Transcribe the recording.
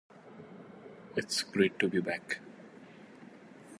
It's Great to Be Back!